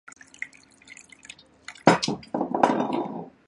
现时这条街道是香港著名的购物区之一。